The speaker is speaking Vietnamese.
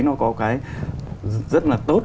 nó có cái rất là tốt